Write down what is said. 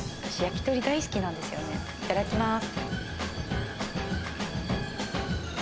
いただきます。